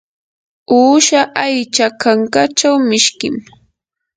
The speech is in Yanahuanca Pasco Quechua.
uusha aycha kankachaw mishkim.